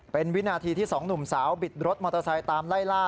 เป็นวินาทีที่สองหนุ่มสาวบิดรถมอเตอร์ไซค์ตามไล่ล่า